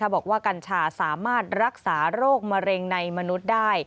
กัญชาสามารถรักษาโรคมะเร็งในมนุษย์ได้